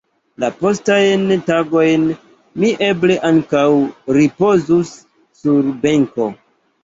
La postajn tagojn mi eble ankaŭ ripozus sur benko.